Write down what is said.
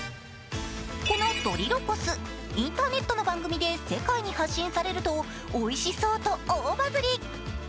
このドリロコスインターネットの番組で世界に発信されるとおいしそうと大バズり。